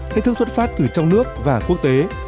thách thức xuất phát từ trong nước và quốc tế